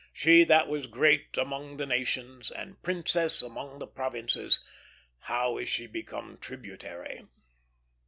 She that was great among the nations, and princess among the provinces, how is she become tributary!"